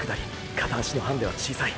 片足のハンデは小さい。